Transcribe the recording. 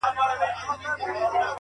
o زه سم پء اور کړېږم ستا په محبت شېرينې؛